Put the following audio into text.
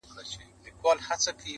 وچې سولې اوښکي ګرېوانونو ته به څه وایو٫